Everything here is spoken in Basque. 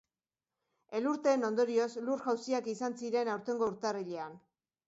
Euriteen ondorioz, lur jauziak izan ziren aurtengo urtarrilean.